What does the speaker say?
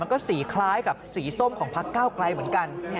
แล้วก็สีคล้ายกับสีส้มของพักเก้าไกลเหมือนกัน